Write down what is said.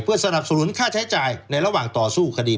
สนับสนุนค่าใช้จ่ายในระหว่างต่อสู้คดี